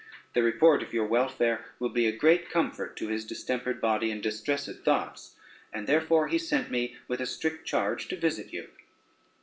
The report of your welfare will be a great comfort to his distempered body and distressed thoughts, and therefore he sent me with a strict charge to visit you."